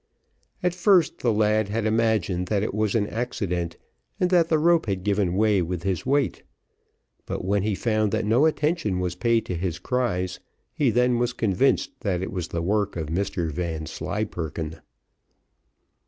At first, the lad had imagined that it was an accident, and that the rope had given way with his weight; but when he found that no attention was paid to his cries, he then was convinced that it was the work of Mr Vanslyperken.